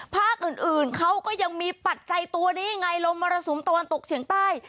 ภาคอื่นเขาก็ยังมีปัจจัยตัวนี้ไงลมมรสุมตะวันตกเฉียงใต้